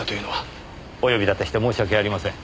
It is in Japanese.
お呼び立てして申し訳ありません。